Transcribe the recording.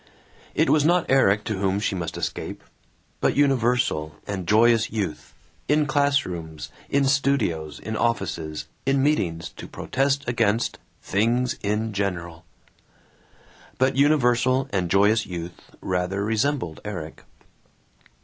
It was not Erik to whom she must escape, but universal and joyous youth, in class rooms, in studios, in offices, in meetings to protest against Things in General. ... But universal and joyous youth rather resembled Erik.